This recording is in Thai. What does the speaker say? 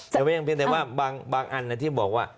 แต่ว่ายังเพียงแต่ว่าบางอันที่บอกว่า